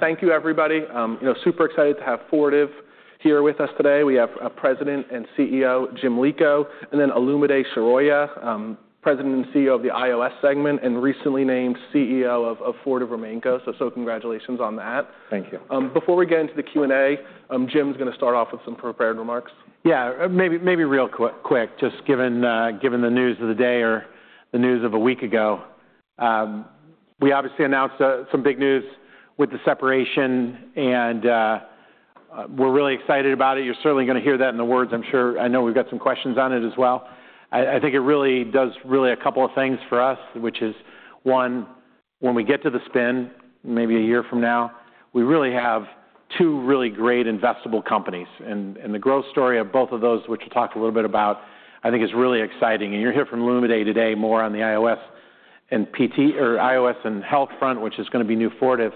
Thank you, everybody. You know, super excited to have Fortive here with us today. We have President and CEO, Jim Lico, and then Olumide Soroye, President and CEO of the IOS segment, and recently named CEO of Fortive RemainCo. So congratulations on that. Thank you. Before we get into the Q&A, Jim's gonna start off with some prepared remarks. Yeah, maybe real quick, just given the news of the day or the news of a week ago. We obviously announced some big news with the separation, and we're really excited about it. You're certainly gonna hear that in the words, I'm sure. I think it really does a couple of things for us, which is, one, when we get to the spin, maybe a year from now, we really have two really great investable companies, and the growth story of both of those, which we'll talk a little bit about, I think is really exciting, and you'll hear from Olumide today more on the IOS and PT or IOS and health front, which is gonna be New Fortive.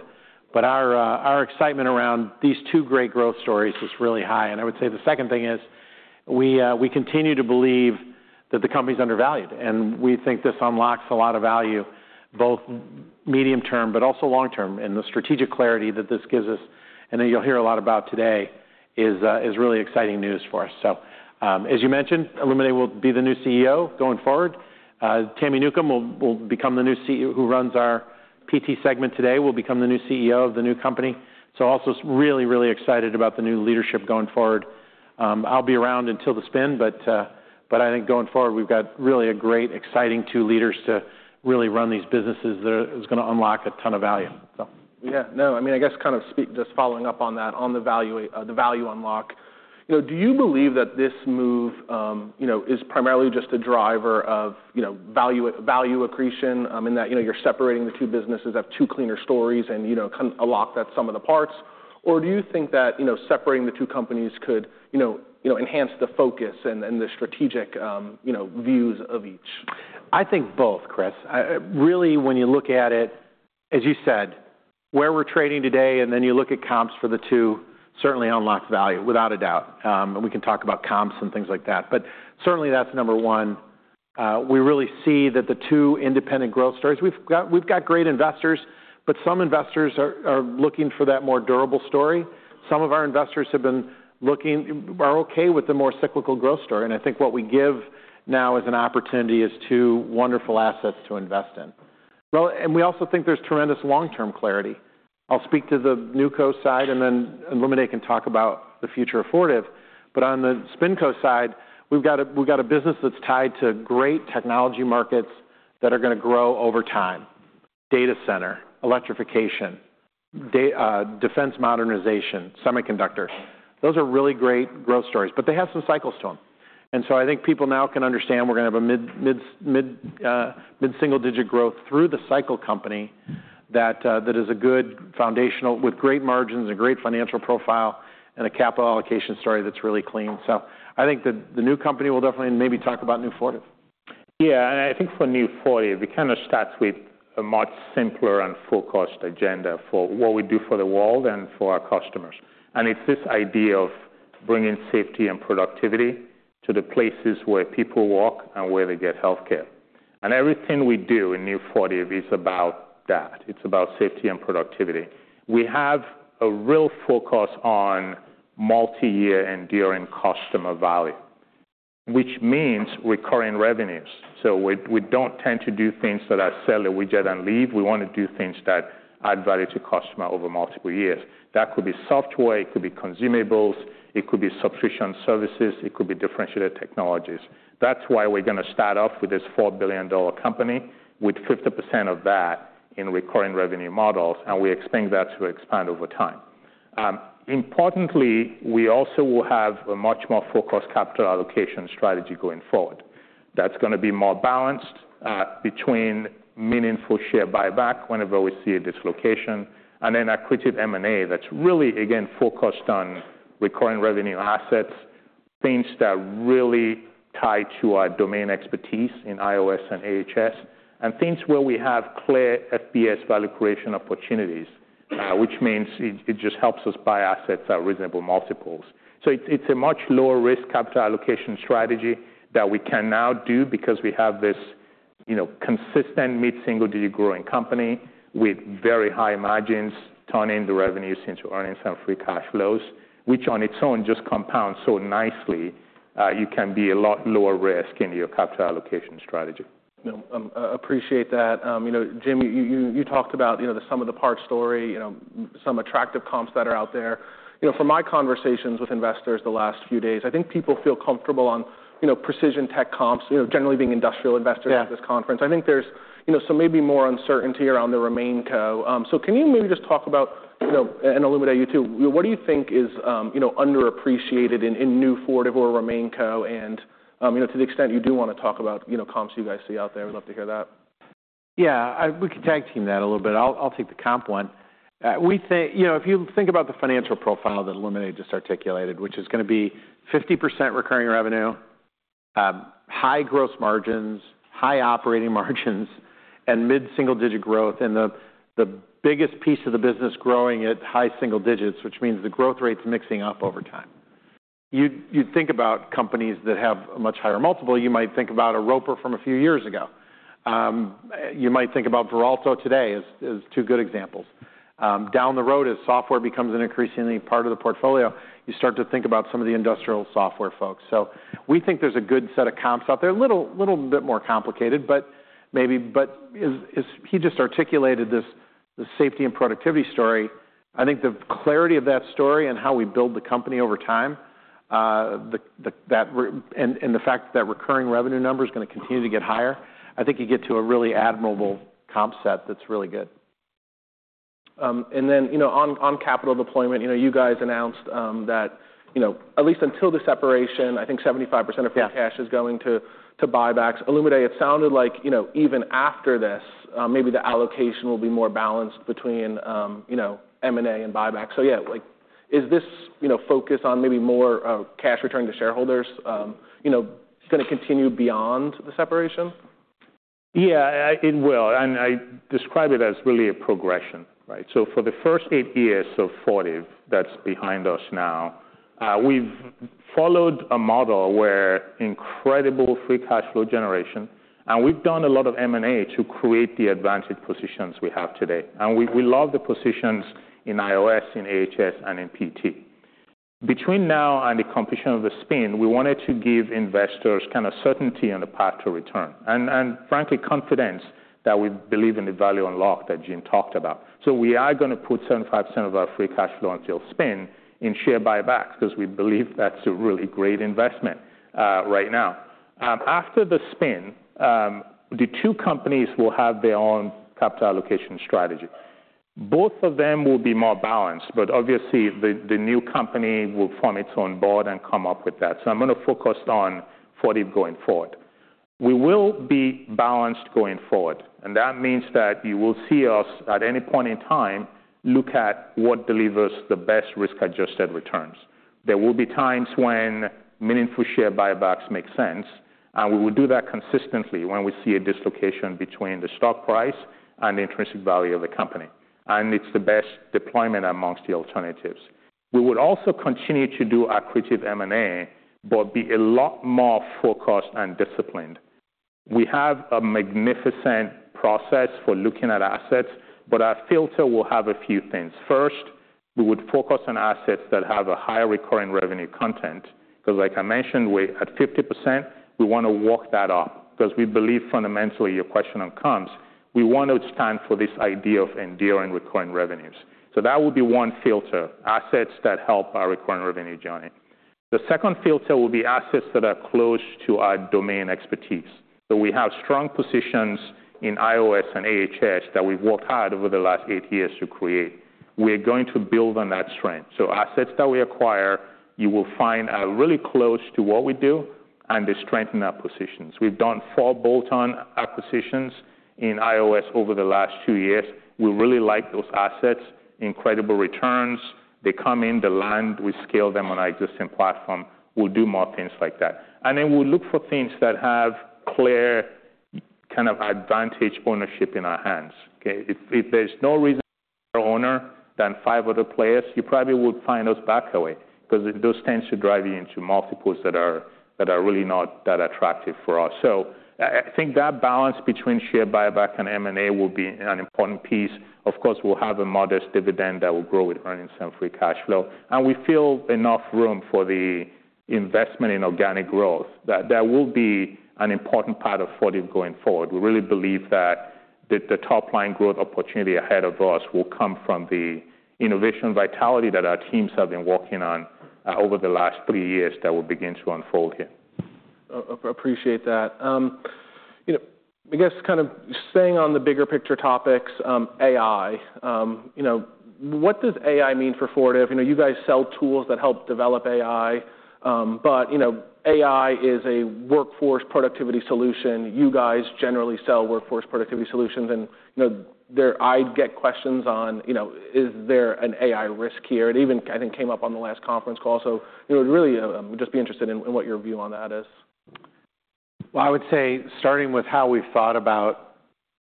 But our our excitement around these two great growth stories is really high. And I would say the second thing is, we we continue to believe that the company's undervalued, and we think this unlocks a lot of value, both medium term, but also long term. And the strategic clarity that this gives us, I know you'll hear a lot about today, is really exciting news for us. So, as you mentioned, Olumide will be the new CEO going forward. Tami Newcombe will become the new CEO who runs our PT segment today, will become the new CEO of the new company. So also really, really excited about the new leadership going forward. I'll be around until the spin, but, but I think going forward, we've got really a great, exciting two leaders to really run these businesses that is gonna unlock a ton of value, so. Yeah, no, I mean, I guess kind of just following up on that, on the value, the value unlock, you know, do you believe that this move, you know, is primarily just a driver of, you know, value, value accretion, in that, you know, you're separating the two businesses, have two cleaner stories, and, you know, kind of unlock that sum of the parts? Or do you think that, you know, separating the two companies could, you know, you know, enhance the focus and, and the strategic, you know, views of each? I think both, Chris. Really, when you look at it, as you said, where we're trading today, and then you look at comps for the two, certainly unlocks value, without a doubt, and we can talk about comps and things like that, but certainly, that's number one. We really see that the two independent growth stories. We've got great investors, but some investors are looking for that more durable story. Some of our investors are okay with the more cyclical growth story, and I think what we give now as an opportunity is two wonderful assets to invest in. Well, and we also think there's tremendous long-term clarity. I'll speak to the NewCo side, and then Olumide can talk about the future of Fortive. But on the SpinCo side, we've got a business that's tied to great technology markets that are gonna grow over time: data center, electrification, defense modernization, semiconductors. Those are really great growth stories, but they have some cycles to them. And so I think people now can understand we're gonna have a mid-single-digit growth through the cycle company, that is a good foundational with great margins, a great financial profile, and a capital allocation story that's really clean. So I think the new company will definitely maybe talk about New Fortive. Yeah, and I think for New Fortive, we kind of start with a much simpler and focused agenda for what we do for the world and for our customers, and it's this idea of bringing safety and productivity to the places where people walk and where they get healthcare. And everything we do in New Fortive is about that. It's about safety and productivity. We have a real focus on multiyear enduring customer value, which means recurring revenues. So we, we don't tend to do things that are sell a widget and leave. We wanna do things that add value to customer over multiple years. That could be software, it could be consumables, it could be subscription services, it could be differentiated technologies. That's why we're gonna start off with this $4 billion company, with 50% of that in recurring revenue models, and we expect that to expand over time. Importantly, we also will have a much more focused capital allocation strategy going forward. That's gonna be more balanced, between meaningful share buyback whenever we see a dislocation, and then accretive M&A, that's really, again, focused on recurring revenue and assets, things that really tie to our domain expertise in IOS and AHS, and things where we have clear FBS value creation opportunities, which means it, it just helps us buy assets at reasonable multiples. It's a much lower risk capital allocation strategy that we can now do because we have this, you know, consistent, mid-single-digit, growing company with very high margins, turning the revenue since we're earning some free cash flows, which on its own just compounds so nicely. You can be a lot lower risk in your capital allocation strategy. No, appreciate that. You know, Jim, you talked about, you know, the sum of the parts story, you know, some attractive comps that are out there. You know, from my conversations with investors the last few days, I think people feel comfortable on, you know, Precision Tech comps, you know, generally being industrial investors Yeah at this conference. I think there's, you know, some maybe more uncertainty around the RemainCo. So can you maybe just talk about, you know, and Olumide, you too, what do you think is, you know, underappreciated in New Fortive or RemainCo? And, you know, to the extent you do wanna talk about, you know, comps you guys see out there, we'd love to hear that. Yeah, we can tag team that a little bit. I'll take the comp one. We think. You know, if you think about the financial profile that Olumide just articulated, which is gonna be 50% recurring revenue, high gross margins, high operating margins, and mid-single-digit growth, and the biggest piece of the business growing at high single digits, which means the growth rate's mixing up over time you'd think about companies that have a much higher multiple. You might think about a Roper from a few years ago. You might think about Veralto today as two good examples. Down the road, as software becomes an increasingly part of the portfolio, you start to think about some of the industrial software folks. So we think there's a good set of comps out there. A little, little bit more complicated, but as he just articulated this, the safety and productivity story, I think the clarity of that story and how we build the company over time, and the fact that recurring revenue number is gonna continue to get higher, I think you get to a really admirable comp set that's really good. And then, you know, on capital deployment, you know, you guys announced that, you know, at least until the separation, I think 75% Yeah. of your cash is going to buybacks. All in all, it sounded like, you know, even after this, maybe the allocation will be more balanced between, you know, M&A and buybacks. So yeah, like, is this, you know, focus on maybe more, cash return to shareholders, you know, gonna continue beyond the separation? Yeah, it will, and I describe it as really a progression, right? So for the first eight years of Fortive, that's behind us now, we've followed a model where incredible free cash flow generation, and we've done a lot of M&A to create the advantage positions we have today, and we love the positions in IOS, in AHS, and in PT. Between now and the completion of the spin, we wanted to give investors kind of certainty on the path to return, and frankly, confidence that we believe in the value unlock that Jim talked about. So we are gonna put 75% of our free cash flow until spin in share buybacks, because we believe that's a really great investment, right now. After the spin, the two companies will have their own capital allocation strategy. Both of them will be more balanced, but obviously, the new company will form its own board and come up with that. So I'm gonna focus on Fortive going forward. We will be balanced going forward, and that means that you will see us, at any point in time, look at what delivers the best risk-adjusted returns. There will be times when meaningful share buybacks make sense, and we will do that consistently when we see a dislocation between the stock price and the intrinsic value of the company, and it's the best deployment amongst the alternatives. We would also continue to do accretive M&A, but be a lot more focused and disciplined. We have a magnificent process for looking at assets, but our filter will have a few things. First, we would focus on assets that have a higher recurring revenue content, because like I mentioned, we're at 50%, we wanna work that up, because we believe fundamentally, your question on comps, we want to stand for this idea of enduring recurring revenues. So that would be one filter, assets that help our recurring revenue journey. The second filter will be assets that are close to our domain expertise. So we have strong positions in IOS and AHS that we've worked hard over the last eight years to create. We're going to build on that strength. So assets that we acquire, you will find are really close to what we do and they strengthen our positions. We've done four bolt-on acquisitions in IOS over the last two years. We really like those assets, incredible returns. They come in, they land, we scale them on our existing platform. We'll do more things like that. And then we'll look for things that have clear, kind of, advantaged ownership in our hands, okay? If there's no reason to own other than five other players, you probably would find us backing away, because those tend to drive you into multiples that are, that are really not that attractive for us. So I think that balance between share buyback and M&A will be an important piece. Of course, we'll have a modest dividend that will grow with earnings and free cash flow, and we feel enough room for the investment in organic growth. That will be an important part of Fortive going forward. We really believe that the top-line growth opportunity ahead of us will come from the innovation vitality that our teams have been working on over the last three years that will begin to unfold here. Appreciate that. You know, I guess kind of staying on the bigger picture topics, AI. You know, what does AI mean for Fortive? You know, you guys sell tools that help develop AI, but you know, AI is a workforce productivity solution. You guys generally sell workforce productivity solutions, and you know, I get questions on, you know, is there an AI risk here? It even, I think, came up on the last conference call. So you know, really, just be interested in what your view on that is. I would say, starting with how we've thought about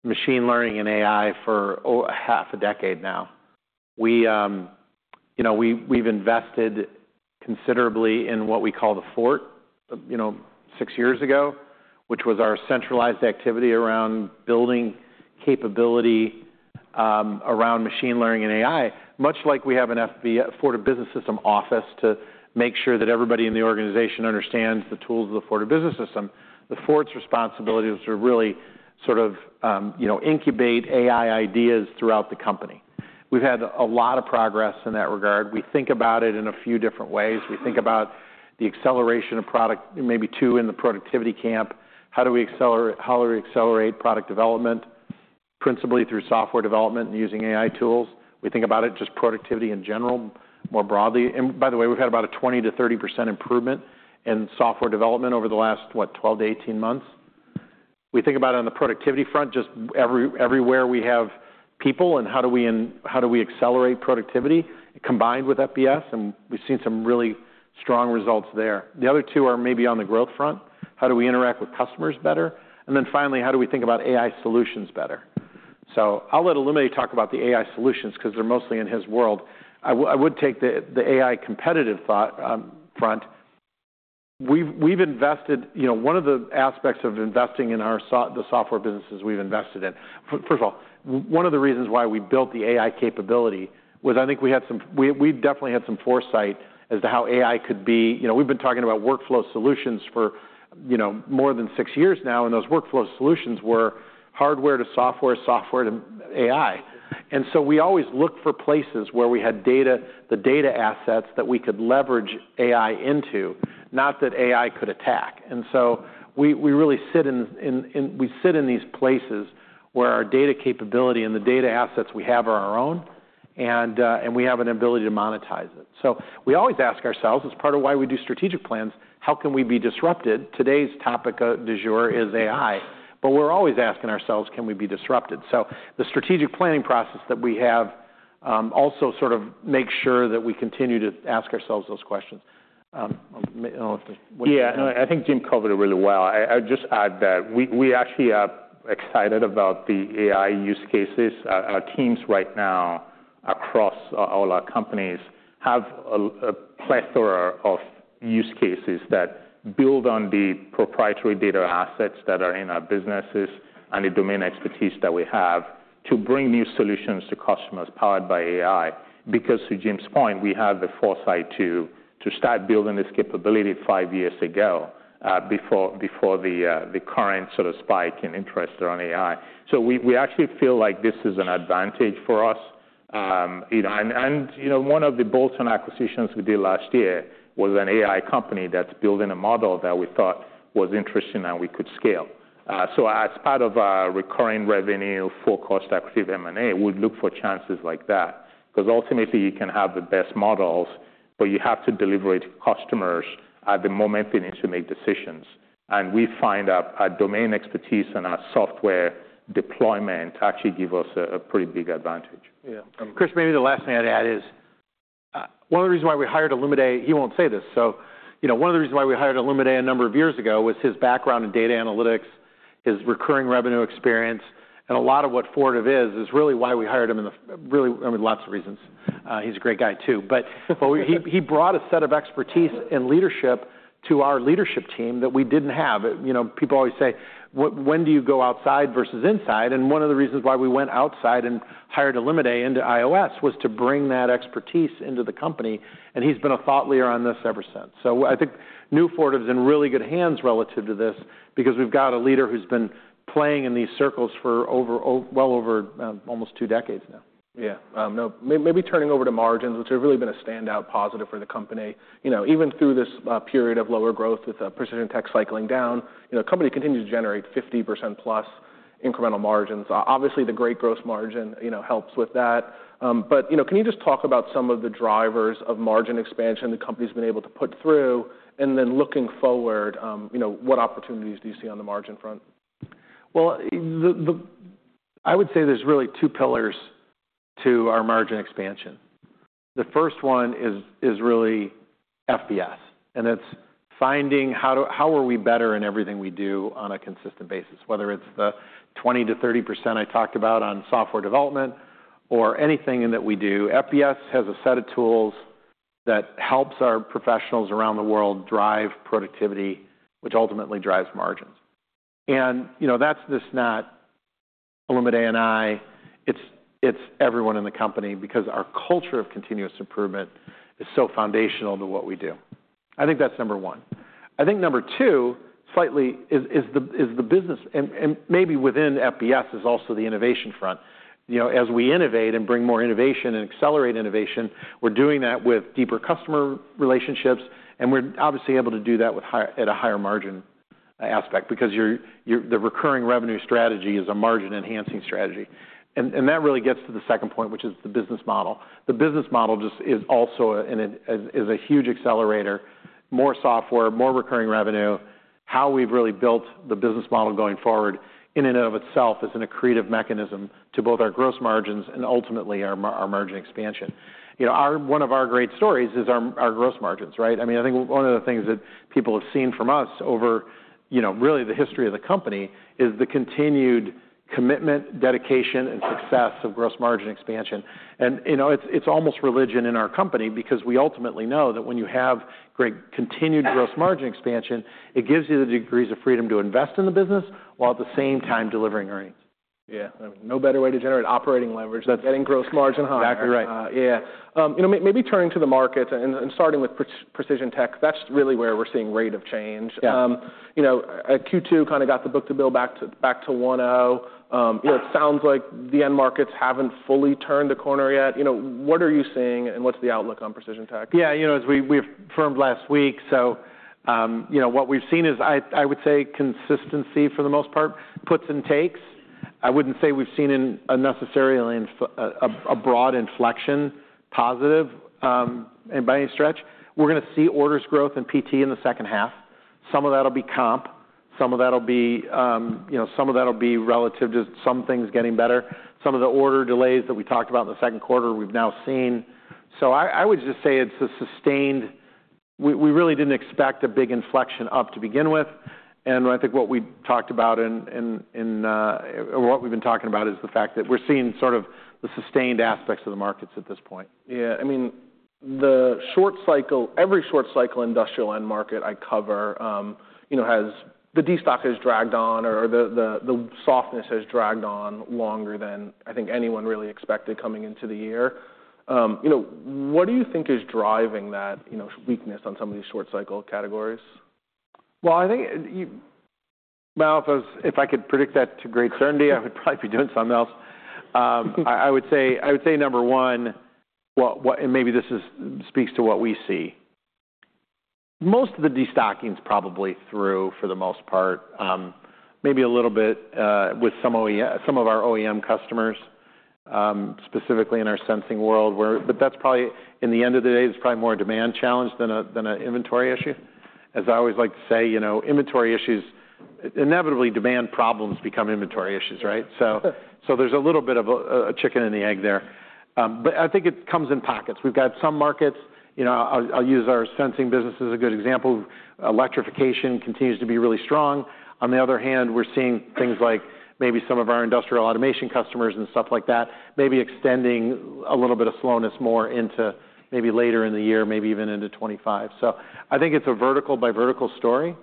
machine learning and AI for over half a decade now, you know, we've invested considerably in what we call the Fort, you know, six years ago, which was our centralized activity around building capability around machine learning and AI. Much like we have an FBS, Fortive Business System office to make sure that everybody in the organization understands the tools of the Fortive Business System, the Fort's responsibility is to really sort of, you know, incubate AI ideas throughout the company. We've had a lot of progress in that regard. We think about it in a few different ways. We think about the acceleration of product, maybe two in the productivity camp. How do we accelerate product development, principally through software development and using AI tools? We think about it, just productivity in general, more broadly, and by the way, we've had about a 20% to 30% improvement in software development over the last, what? 12 to 18 months. We think about it on the productivity front, just everywhere we have people, and how do we accelerate productivity combined with FBS? And we've seen some really strong results there. The other two are maybe on the growth front. How do we interact with customers better, and then finally, how do we think about AI solutions better? So I'll let Olumide talk about the AI solutions because they're mostly in his world. I would take the AI competitive thought front. We've invested, you know, one of the aspects of investing in the software businesses we've invested in. First of all, one of the reasons why we built the AI capability was. I think we definitely had some foresight as to how AI could be. You know, we've been talking about workflow solutions for, you know, more than six years now, and those workflow solutions were hardware to software, software to AI. And so we always looked for places where we had data, the data assets that we could leverage AI into, not that AI could attack. And so we really sit in these places where our data capability and the data assets we have are our own, and we have an ability to monetize it. So we always ask ourselves, as part of why we do strategic plans, how can we be disrupted? Today's topic du jour is AI, but we're always asking ourselves, can we be disrupted? So the strategic planning process that we have also sort of makes sure that we continue to ask ourselves those questions. I'll, you know, if there's Yeah, no, I think Jim covered it really well. I would just add that we actually are excited about the AI use cases. Our teams right now across all our companies have a plethora of use cases that build on the proprietary data assets that are in our businesses and the domain expertise that we have to bring new solutions to customers powered by AI. Because to Jim's point, we had the foresight to start building this capability five years ago, before the current sort of spike in interest around AI. So we actually feel like this is an advantage for us. You know, one of the bolt-on acquisitions we did last year was an AI company that's building a model that we thought was interesting and we could scale. So as part of our recurring revenue for cost-effective M&A, we'd look for chances like that. 'Cause ultimately, you can have the best models, but you have to deliver it to customers at the moment they need to make decisions. And we find our domain expertise and our software deployment actually give us a pretty big advantage. Yeah. Chris, maybe the last thing I'd add is, one of the reasons why we hired Olumide. He won't say this, so. You know, one of the reasons why we hired Olumide a number of years ago was his background in data analytics, his recurring revenue experience, and a lot of what Fortive is is really why we hired him, really. I mean, lots of reasons. He's a great guy, too. But he brought a set of expertise and leadership to our leadership team that we didn't have. You know, people always say, "When do you go outside versus inside?" And one of the reasons why we went outside and hired Olumide into IOS was to bring that expertise into the company, and he's been a thought leader on this ever since. So I think New Fortive's in really good hands relative to this, because we've got a leader who's been playing in these circles for over, well over, almost two decades now. Yeah. No, maybe turning over to margins, which have really been a standout positive for the company. You know, even through this period of lower growth with Precision Tech cycling down, you know, the company continued to generate 50% plus incremental margins. Obviously, the great gross margin, you know, helps with that. But, you know, can you just talk about some of the drivers of margin expansion the company's been able to put through, and then looking forward, you know, what opportunities do you see on the margin front? I would say there's really two pillars to our margin expansion. The first one is really FBS, and it's finding how we are better in everything we do on a consistent basis, whether it's the 20% to 30% I talked about on software development or anything that we do. FBS has a set of tools that helps our professionals around the world drive productivity, which ultimately drives margins. And, you know, that's just not Olumide and I, it's everyone in the company, because our culture of continuous improvement is so foundational to what we do. I think that's number one. I think number two, slightly, is the business, and maybe within FBS is also the innovation front. You know, as we innovate and bring more innovation and accelerate innovation, we're doing that with deeper customer relationships, and we're obviously able to do that at a higher margin aspect, because the recurring revenue strategy is a margin-enhancing strategy, and that really gets to the second point, which is the business model. The business model just is also a huge accelerator. More software, more recurring revenue. How we've really built the business model going forward, in and of itself, is an accretive mechanism to both our gross margins and ultimately our margin expansion. You know, one of our great stories is our gross margins, right? I mean, I think one of the things that people have seen from us over, you know, really the history of the company is the continued commitment, dedication, and success of gross margin expansion, and you know, it's almost religion in our company because we ultimately know that when you have great continued gross margin expansion, it gives you the degrees of freedom to invest in the business, while at the same time delivering earnings. Yeah. No better way to generate operating leverage than getting gross margin high. Exactly right. Yeah. You know, maybe turning to the markets and starting with Precision Tech, that's really where we're seeing rate of change. Yeah. You know, Q2 kind of got the Book-to-Bill back to 1.0. You know, it sounds like the end markets haven't fully turned the corner yet. You know, what are you seeing, and what's the outlook on Precision Tech? Yeah, you know, as we've firmed last week, so, you know, what we've seen is, I would say, consistency for the most part, puts and takes. I wouldn't say we've seen a necessarily a broad inflection, positive, and by any stretch. We're gonna see orders growth in PT in the second half. Some of that'll be comp, some of that'll be, you know, some of that'll be relative to some things getting better. Some of the order delays that we talked about in the second quarter, we've now seen. So I would just say it's a sustained We really didn't expect a big inflection up to begin with, and I think what we talked about or what we've been talking about is the fact that we're seeing sort of the sustained aspects of the markets at this point. Yeah, I mean, the short-cycle, every short-cycle industrial end market I cover, you know, has the destocking dragged on or the softness has dragged on longer than I think anyone really expected coming into the year. You know, what do you think is driving that, you know, weakness on some of these short-cycle categories? I think if I could predict that to great certainty, I would probably be doing something else. I would say, number one, what and maybe this is speaks to what we see. Most of the destocking is probably through, for the most part, maybe a little bit with some of our OEM customers, specifically in our sensing world, where. But that's probably, in the end of the day, it's probably more a demand challenge than a inventory issue. As I always like to say, you know, inventory issues, inevitably, demand problems become inventory issues, right? So, there's a little bit of a chicken and the egg there. But I think it comes in pockets. We've got some markets, you know, I'll use our sensing business as a good example. Electrification continues to be really strong. On the other hand, we're seeing things like maybe some of our industrial automation customers and stuff like that, maybe extending a little bit of slowness more into maybe later in the year, maybe even into 2025. So I think it's a vertical-by-vertical story,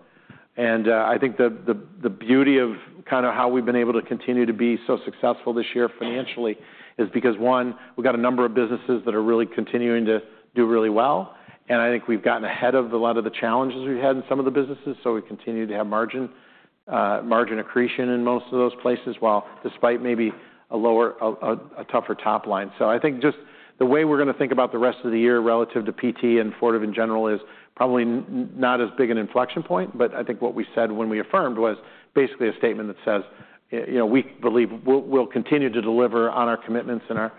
and I think the beauty of kind of how we've been able to continue to be so successful this year financially is because, one, we've got a number of businesses that are really continuing to do really well, and I think we've gotten ahead of a lot of the challenges we've had in some of the businesses. So we continue to have margin accretion in most of those places, while despite maybe a lower A tougher top line. So I think just the way we're gonna think about the rest of the year relative to PT and Fortive in general is probably not as big an inflection point. But I think what we said when we affirmed was basically a statement that says, you know, we believe we'll continue to deliver on our commitments and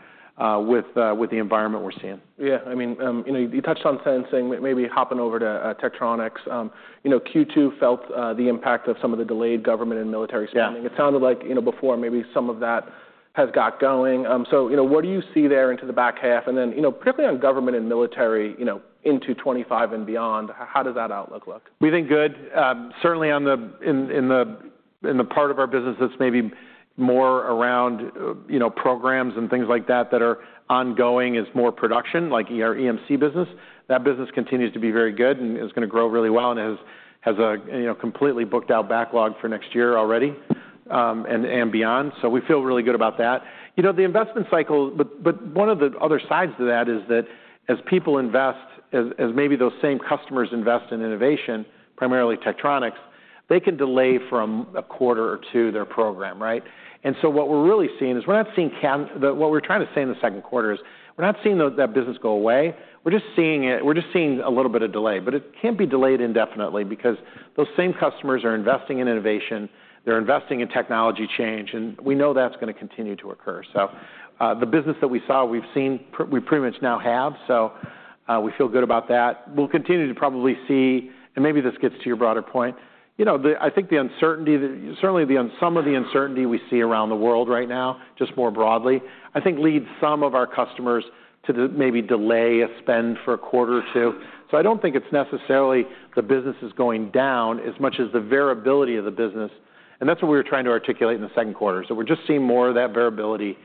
with the environment we're seeing. Yeah. I mean, you know, you touched on sensing, maybe hopping over to Tektronix. You know, Q2 felt the impact of some of the delayed government and military spending. Yeah. It sounded like, you know, before maybe some of that has got going. So, you know, what do you see there into the back half? And then, you know, particularly on government and military, you know, into 2025 and beyond, how does that outlook look? We think good. Certainly on the part of our business that's maybe more around you know programs and things like that that are ongoing is more production like our EMC business. That business continues to be very good and is gonna grow really well and has a you know completely booked out backlog for next year already and beyond, so we feel really good about that. You know the investment cycle, but one of the other sides to that is that as people invest as maybe those same customers invest in innovation primarily Tektronix they can delay from a quarter or two their program right? And so what we're really seeing is we're not seeing the what we're trying to say in the second quarter is, we're not seeing that business go away, we're just seeing a little bit of delay. But it can't be delayed indefinitely because those same customers are investing in innovation, they're investing in technology change, and we know that's gonna continue to occur. So, the business that we saw, we've seen we pretty much now have, so, we feel good about that. We'll continue to probably see, and maybe this gets to your broader point, you know, the, I think the uncertainty, certainly some of the uncertainty we see around the world right now, just more broadly, I think leads some of our customers to the, maybe delay a spend for a quarter or two. So I don't think it's necessarily the business is going down as much as the variability of the business, and that's what we were trying to articulate in the second quarter. So we're just seeing more of that variability.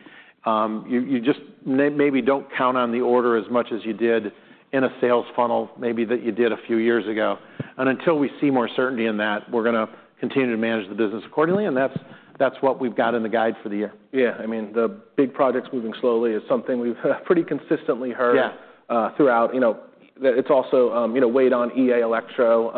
You just maybe don't count on the order as much as you did in a sales funnel, maybe, that you did a few years ago. And until we see more certainty in that, we're gonna continue to manage the business accordingly, and that's what we've got in the guide for the year. Yeah, I mean, the big projects moving slowly is something we've pretty consistently heard Yeah throughout. You know, it's also, you know, weighed on EA Elektro,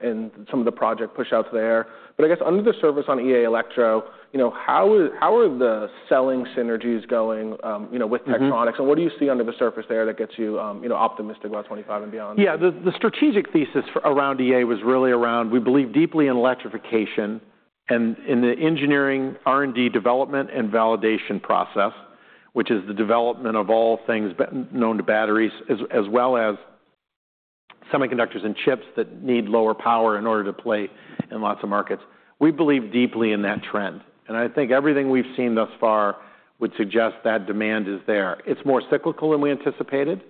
and some of the project pushouts there. But I guess under the surface on EA Elektro, you know, how are the selling synergies going, you know Mm-hmm with Tektronix, and what do you see under the surface there that gets you, you know, optimistic about 2025 and beyond? Yeah, the strategic thesis around EA was really around. We believe deeply in electrification and in the engineering, R&D development, and validation process, which is the development of all things known to batteries, as well as semiconductors and chips that need lower power in order to play in lots of markets. We believe deeply in that trend, and I think everything we've seen thus far would suggest that demand is there. It's more cyclical than we anticipated,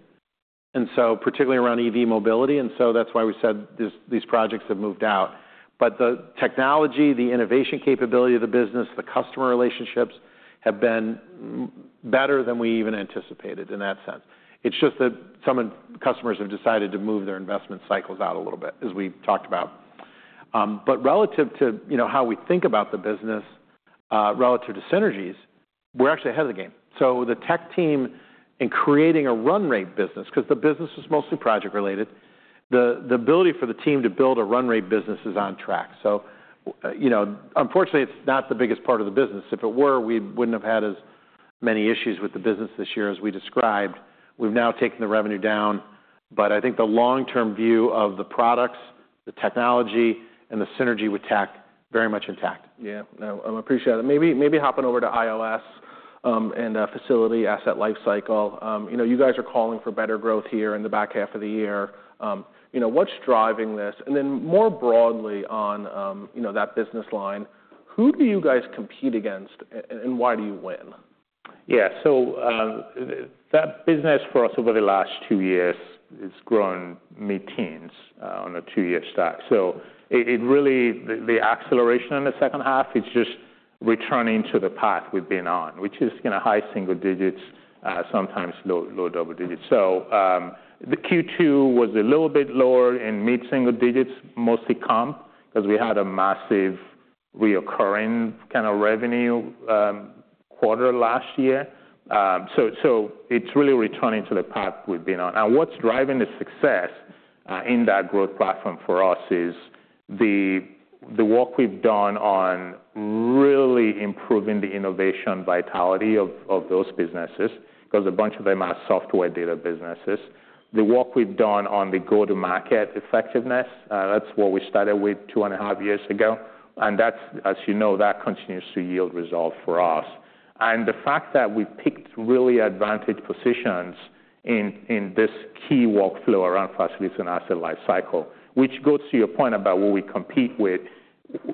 and so particularly around EV mobility, and so that's why we said these projects have moved out. But the technology, the innovation capability of the business, the customer relationships, have been better than we even anticipated in that sense. It's just that some of the customers have decided to move their investment cycles out a little bit, as we've talked about. But relative to, you know, how we think about the business, relative to synergies, we're actually ahead of the game. So the Tech team, in creating a run rate business, because the business is mostly project-related, the ability for the team to build a run rate business is on track. So, you know, unfortunately, it's not the biggest part of the business. If it were, we wouldn't have had as many issues with the business this year as we described. We've now taken the revenue down, but I think the long-term view of the products, the technology, and the synergy with Tech, very much intact. Yeah. No, I appreciate it. Maybe, maybe hopping over to IOS, and facility asset lifecycle. You know, you guys are calling for better growth here in the back half of the year. You know, what's driving this? And then more broadly on, you know, that business line, who do you guys compete against, and why do you win? Yeah, so that business for us over the last two years has grown mid-teens on a two-year stack. So it really, the acceleration in the second half is just returning to the path we've been on, which is, you know, high single digits, sometimes low double digits. So the Q2 was a little bit lower in mid-single digits, mostly comp, 'cause we had a massive recurring kind of revenue quarter last year. So it's really returning to the path we've been on. Now, what's driving the success in that growth platform for us is the work we've done on really improving the innovation vitality of those businesses, 'cause a bunch of them are software data businesses. The work we've done on the go-to-market effectiveness, that's what we started with two and a half years ago, and that's, as you know, that continues to yield results for us, and the fact that we've picked really advantaged positions in this key workflow around facilities and asset lifecycle, which goes to your point about who we compete with.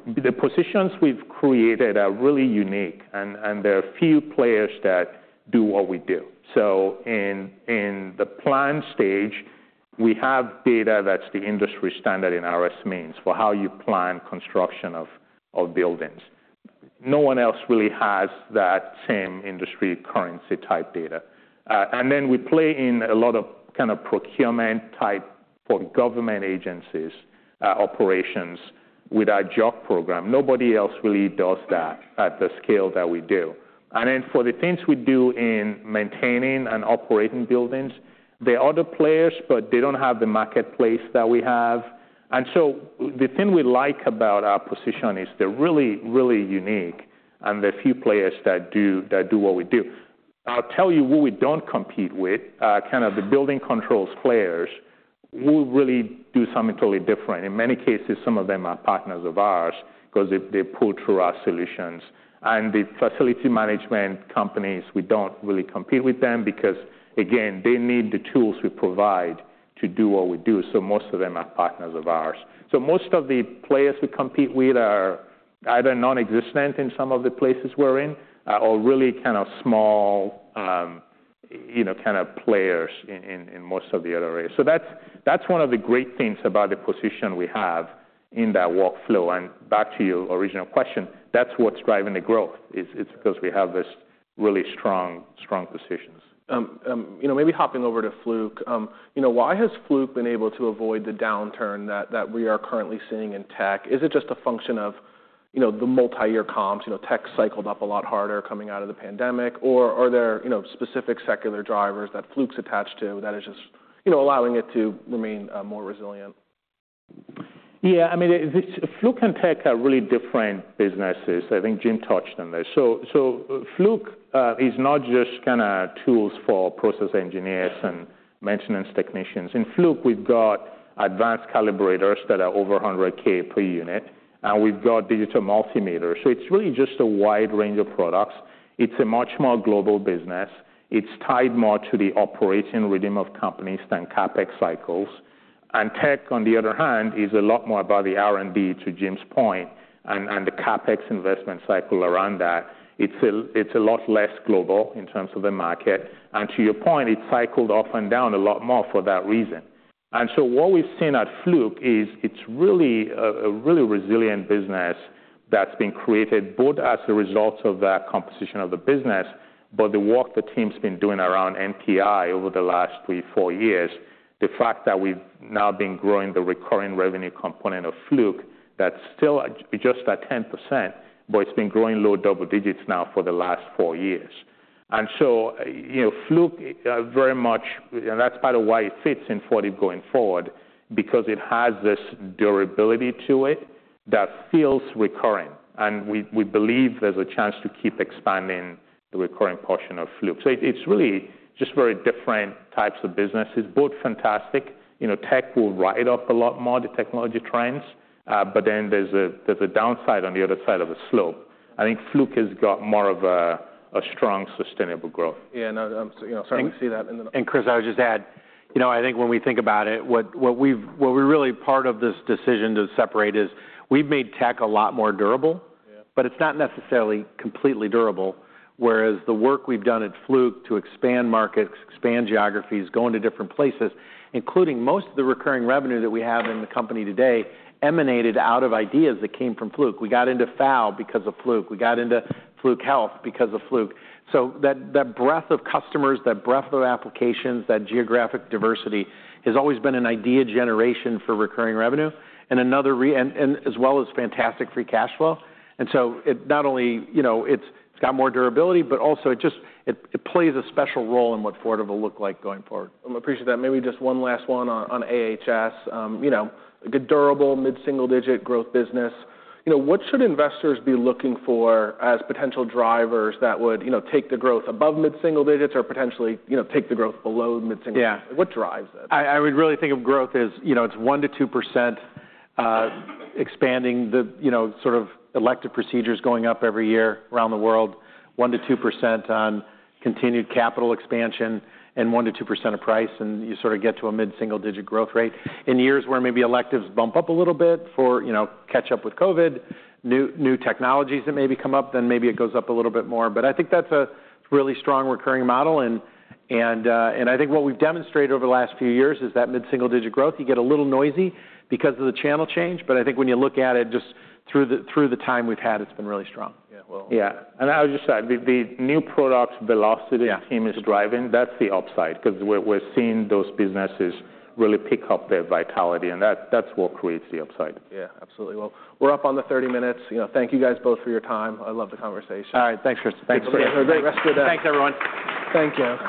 The positions we've created are really unique, and there are few players that do what we do, so in the plan stage, we have data that's the industry standard in RSMeans, for how you plan construction of buildings. No one else really has that same industry currency-type data, and then we play in a lot of kind of procurement-type for government agencies, operations with our JOC program. Nobody else really does that at the scale that we do. And then for the things we do in maintaining and operating buildings, there are other players, but they don't have the marketplace that we have. And so the thing we like about our position is they're really, really unique, and there are few players that do what we do. I'll tell you who we don't compete with, kind of the building controls players, we really do something totally different. In many cases, some of them are partners of ours, 'cause they pull through our solutions. And the facility management companies, we don't really compete with them because, again, they need the tools we provide to do what we do, so most of them are partners of ours. So most of the players we compete with are either non-existent in some of the places we're in, or really kind of small, you know, kind of players in most of the other areas. So that's one of the great things about the position we have in that workflow. And back to your original question, that's what's driving the growth, it's because we have this really strong positions. You know, maybe hopping over to Fluke. You know, why has Fluke been able to avoid the downturn that we are currently seeing in tech? Is it just a function of, you know, the multi-year comps, you know, tech cycled up a lot harder coming out of the pandemic, or are there, you know, specific secular drivers that Fluke's attached to that is just, you know, allowing it to remain, more resilient? Yeah, I mean, this, Fluke and Tech are really different businesses. I think Jim touched on this. So Fluke is not just kinda tools for process engineers and maintenance technicians. In Fluke, we've got advanced calibrators that are over $100,000 per unit, and we've got digital multimeters. So it's really just a wide range of products. It's a much more global business. It's tied more to the operating rhythm of companies than CapEx cycles. And Tech, on the other hand, is a lot more about the R&D, to Jim's point, and the CapEx investment cycle around that. It's a lot less global in terms of the market, and to your point, it's cycled up and down a lot more for that reason. What we've seen at Fluke is it's really a really resilient business that's been created, both as a result of that composition of the business, but the work the team's been doing around NPI over the last three, four years. The fact that we've now been growing the recurring revenue component of Fluke, that's still at just 10%, but it's been growing low double digits now for the last four years. And so, you know, Fluke very much. And that's part of why it fits in Fortive going forward, because it has this durability to it that feels recurring, and we believe there's a chance to keep expanding the recurring portion of Fluke. It's really just very different types of businesses, both fantastic. You know, Tech will ride up a lot more the technology trends, but then there's a downside on the other side of the slope. I think Fluke has got more of a strong, sustainable growth. Yeah, no, I'm, you know, starting to see that in the- And Chris, I would just add, you know, I think when we think about it, what we're really part of this decision to separate is, we've made Tech a lot more durable- Yeah. but it's not necessarily completely durable. Whereas the work we've done at Fluke to expand markets, expand geographies, go into different places, including most of the recurring revenue that we have in the company today, emanated out of ideas that came from Fluke. We got into FAL because of Fluke. We got into Fluke Health because of Fluke. So that, that breadth of customers, that breadth of applications, that geographic diversity, has always been an idea generation for recurring revenue and another re- and, and as well as fantastic free cash flow. And so it not only, you know, it's got more durability, but also it just, it, it plays a special role in what Fortive will look like going forward. I appreciate that. Maybe just one last one on AHS. You know, a good durable, mid-single-digit growth business. You know, what should investors be looking for as potential drivers that would, you know, take the growth above mid-single digits or potentially, you know, take the growth below mid-single digits? Yeah. What drives it? I would really think of growth as, you know, it's 1% to 2% expanding the, you know, sort of elective procedures going up every year around the world. 1% to 2% on continued capital expansion, and 1% to 2% of price, and you sort of get to a mid-single-digit growth rate. In years where maybe electives bump up a little bit for, you know, catch up with COVID, new technologies that maybe come up, then maybe it goes up a little bit more. But I think that's a really strong recurring model, and I think what we've demonstrated over the last few years is that mid-single-digit growth. You get a little noisy because of the channel change, but I think when you look at it, just through the time we've had, it's been really strong. Yeah, well Yeah. And I would just add, the new product velocity Yeah the team is driving, that's the upside, 'cause we're, we're seeing those businesses really pick up their vitality, and that's what creates the upside. Yeah, absolutely. Well, we're up on the thirty minutes. You know, thank you guys both for your time. I love the conversation. All right, thanks, Chris. Thanks. Have a great rest of your day. Thanks, everyone. Thank you.